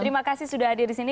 terima kasih sudah hadir di sini